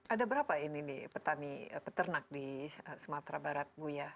ada berapa peternak di sumatera barat bu ya